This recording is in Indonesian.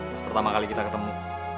pas pertama kali kita ketemu